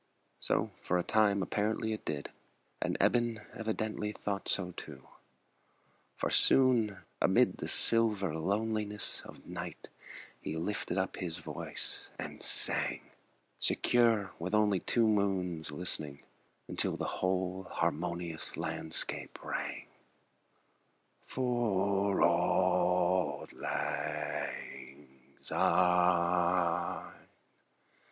So, for the time, apparently it did And Eben apparently thouht so too; For soon among the silver loneliness Of night he lifted up his voice and sang, Secure, with only two moons listening, Until the whole harmonious landscape rang "For auld lang syne."